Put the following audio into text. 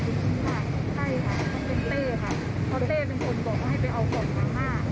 จริงค่ะใช่ค่ะเขาเป็นเต้ค่ะเพราะเต้เป็นคนบอกว่าให้ไปเอาของทางหน้า